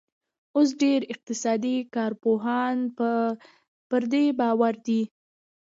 اوس ډېر اقتصادي کارپوهان پر دې باور دي